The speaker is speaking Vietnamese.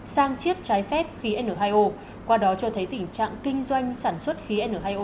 sang chiết trái phép khí n hai o qua đó cho thấy tình trạng kinh doanh sản xuất khí n hai o